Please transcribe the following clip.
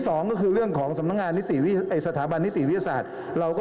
สองก็คือเรื่องของสำนักงานสถาบันนิติวิทยาศาสตร์